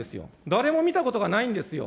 誰も見たことがないんですよ。